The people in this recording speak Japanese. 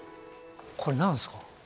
これ何ですか？